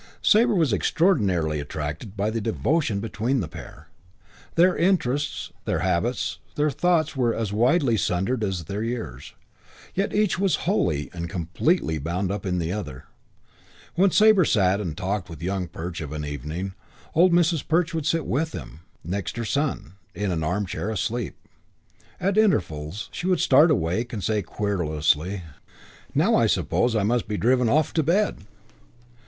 Sabre was extraordinarily attracted by the devotion between the pair. Their interests, their habits, their thoughts were as widely sundered as their years, yet each was wholly and completely bound up in the other. When Sabre sat and talked with Young Perch of an evening, old Mrs. Perch would sit with them, next her son, in an armchair asleep. At intervals she would start awake and say querulously, "Now I suppose I must be driven off to bed."